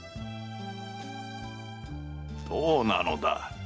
どうなのだ？